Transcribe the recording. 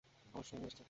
অবশ্যই নিয়ে এসেছি।